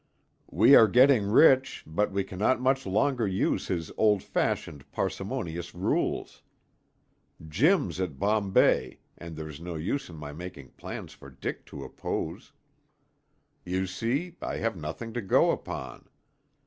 We are getting rich, but we cannot much longer use his old fashioned parsimonious rules. Jim's at Bombay, and there's no use in my making plans for Dick to oppose. You see, I have nothing to go upon.